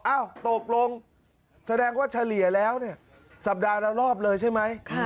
ตกลงแสดงว่าเฉลี่ยแล้วเนี่ยสัปดาห์ละรอบเลยใช่ไหม